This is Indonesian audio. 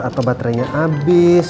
atau baterainya habis